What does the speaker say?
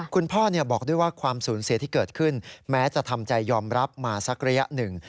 คุณพ่อบอกด้วยว่าความสูญเสียที่เกิดขึ้นแม้จะทำใจยอมรับมาสักระยะหนึ่ง